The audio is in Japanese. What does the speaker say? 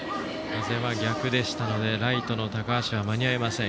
風は逆でしたのでライトの高橋は間に合いません。